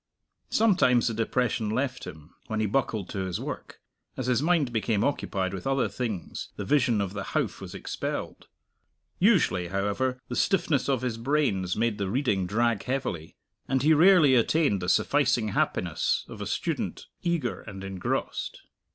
Sometimes the depression left him, when he buckled to his work; as his mind became occupied with other things the vision of the Howff was expelled. Usually, however, the stiffness of his brains made the reading drag heavily, and he rarely attained the sufficing happiness of a student eager and engrossed.